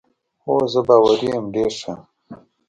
هو، زه باوري یم، ډېر ښه.